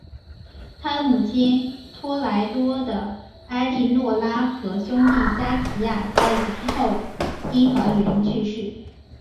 他的母亲托莱多的埃利诺拉和兄弟加齐亚在几天后因同样的原因去世。